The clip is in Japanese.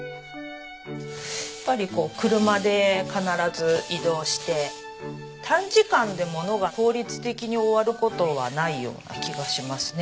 やっぱり車で必ず移動して短時間でものが効率的に終わる事はないような気がしますね。